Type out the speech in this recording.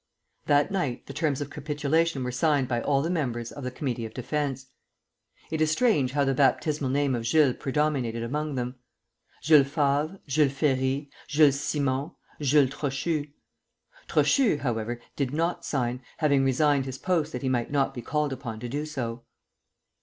That night the terms of capitulation were signed by all the members of the Committee of Defence. It is strange how the baptismal name of Jules predominated among them, Jules Favre, Jules Ferry, Jules Simon, Jules Trochu. Trochu, however, did not sign, having resigned his post that he might not be called upon to do so.